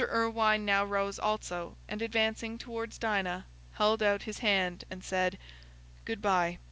Irwine now rose also, and, advancing towards Dinah, held out his hand, and said, "Good bye.